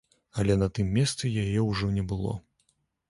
Але на тым месцы яе ўжо не было.